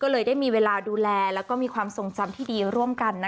เลยจะมีเวลาดูแลและความทรงจำที่ดีร่วมกัน